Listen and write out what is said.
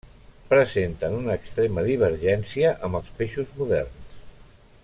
Presenten una extrema divergència amb els peixos moderns.